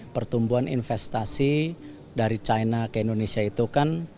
pertumbuhan investasi dari china ke indonesia itu kan